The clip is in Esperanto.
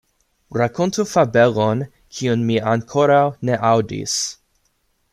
Rakontu fabelon, kiun mi ankoraŭ ne aŭdis.